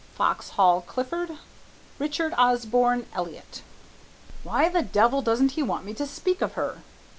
FOXHALL CLIFFORD RICHARD OSBORNE ELLIOTT "Why the devil doesn't he want me to speak of her?"